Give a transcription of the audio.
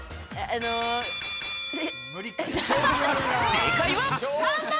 正解は。